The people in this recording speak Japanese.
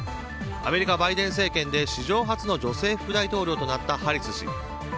アメリカ、バイデン政権で史上初の女性副大統領となったハリス氏。